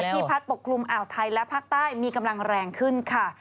พัดปกคลุมอ่าวไทยและภาคใต้มีกำลังแรงขึ้นค่ะ